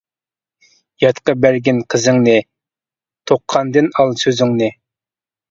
ياتقا بەرگىن قىزىڭنى، تۇغقاندىن ئال سۆزۈڭنى.